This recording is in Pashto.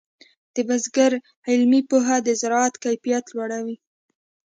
د بزګر علمي پوهه د زراعت کیفیت لوړوي.